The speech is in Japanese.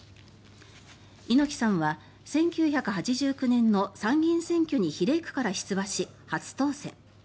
猪木さんは１９８９年の参議院選挙に比例区から出馬し、初当選。